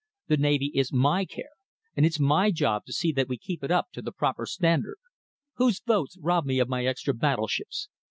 The navy is my care, and it's my job to see that we keep it up to the proper standard. Whose votes rob me of my extra battleships?